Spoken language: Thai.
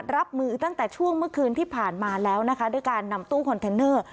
รับมือตั้งแต่ช่วงเมื่อคืนที่ผ่านมาแล้วนะคะด้วยการนำตู้คอนเทนเนอร์